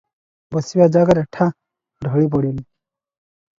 ବସିବା ଜାଗାରେ ଠାଁ ଢଳି ପଡିଲେ ।